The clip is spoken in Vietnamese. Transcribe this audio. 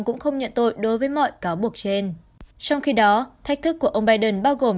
cũng không nhận tội đối với mọi cáo buộc trên trong khi đó thách thức của ông biden bao gồm